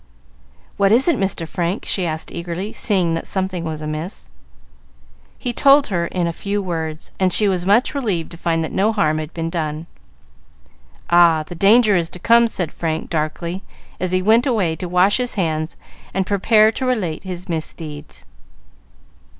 What is it, Mr. Frank?" she asked eagerly, seeing that something was amiss. He told her in a few words, and she was much relieved to find that no harm had been done. "Ah, the danger is to come," said Frank, darkly, as he went away to wash his hands and prepare to relate his misdeeds.